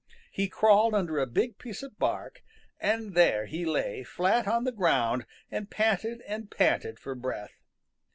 He crawled under a big piece of bark, and there he lay flat on the ground and panted and panted for breath.